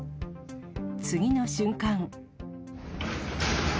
次の瞬間。